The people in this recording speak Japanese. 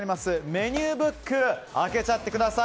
メニューブック開けちゃってください